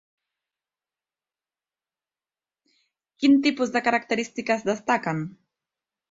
Quin tipus de característiques destaquen?